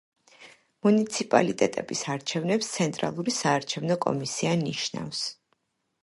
მუნიციპალიტეტების არჩევნებს ცენტრალური საარჩევნო კომისია ნიშნავს.